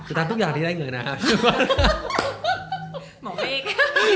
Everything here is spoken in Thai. ทำทุกอย่างที่ได้เงินนะครับ